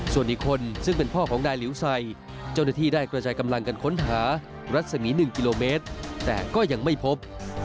ส่วนอีกคนซึ่งเป็นพ่อของนายหลิวใส่เจ้าหน้าที่ได้กระจายกำลังกันค้นหารัศมี๑กิโลเมตรแต่ก็ยังไม่พบ